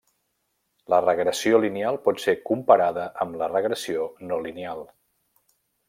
La regressió lineal pot ser comparada amb la regressió no lineal.